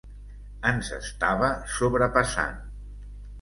Ens estava sobrepassant.